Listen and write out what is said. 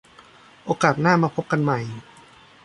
โอกาสหน้ามาพบกันใหม่